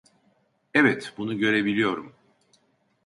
Evet, bunu görebiliyorum.